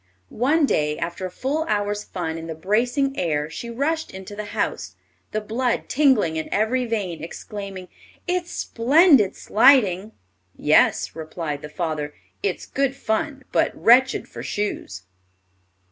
One day, after a full hour's fun in the bracing air, she rushed into the house, the blood tingling in every vein, exclaiming, "It's splendid sliding!" "Yes," replied the father, "it's good fun, but wretched for shoes."